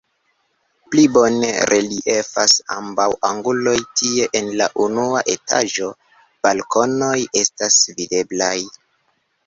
Pli bone reliefas ambaŭ anguloj, tie en la unua etaĝo balkonoj estas videblaj.